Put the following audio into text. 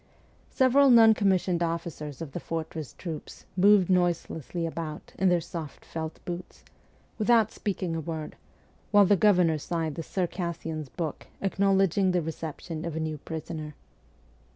Several non commissioned officers of the fortress troops moved noiselessly about in their soft felt boots, without speaking a word, while the governor signed the Circassian's book acknowledging the reception of a new prisoner.